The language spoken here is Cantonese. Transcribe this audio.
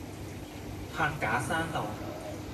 柏架山道